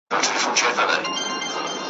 کشکي ټول وجود مي یو شان ښکارېدلای ,